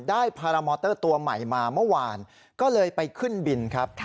พารามอเตอร์ตัวใหม่มาเมื่อวานก็เลยไปขึ้นบินครับ